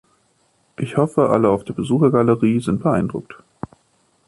Ich hoffe, alle auf der Besuchergalerie sind beeindruckt!